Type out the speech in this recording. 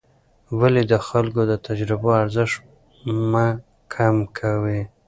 ولې د خلکو د تجربو ارزښت مه کم کوې؟